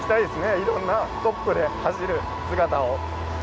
いろんな、トップで走る姿を。